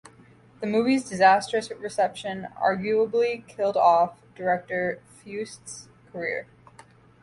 The movie's disastrous reception arguably killed off director Fuest's career.